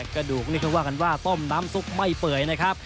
กระดูกนี่คืองว่างว่าซ้มน้ำสุกไม่เปื่อยนะครับ